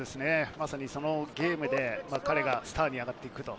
まさにそのゲームで彼がスターになっていく。